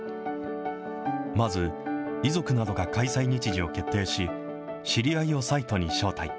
まず、遺族などが開催日時を決定し、知り合いをサイトに招待。